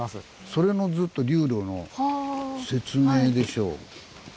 それのずっと流路の説明でしょう。